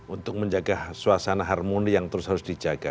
untuk menjaga suasana harmoni yang terus harus dijaga